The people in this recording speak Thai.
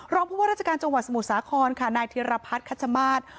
รอบพบว่าราชการจังหวัดสมุทรสาครนายถิระพัชร์คัชมาส